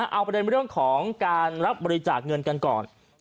เอาประเด็นเรื่องของการรับบริจาคเงินกันก่อน